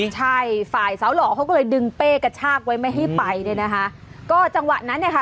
ใช่ฝ่ายสาวหล่อเขาก็เลยดึงเป้กระชากไว้ไม่ให้ไปเนี่ยนะคะก็จังหวะนั้นเนี่ยค่ะ